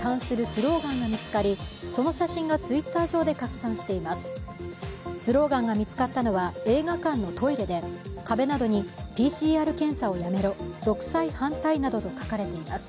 スローガンが見つかったのは、映画館のトイレで壁などに、ＰＣＲ検査をやめろ、独裁反対などと書かれています。